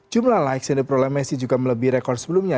jumlah likes yang diperoleh messi juga melebih rekor sebelumnya